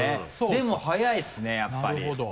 でも速いですねやっぱり。